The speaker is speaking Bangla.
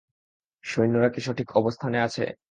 সৈন্যরা কি সঠিক অবস্থানে আছে?